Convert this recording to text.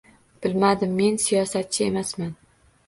- Bilmadim, men siyosatchi emasman...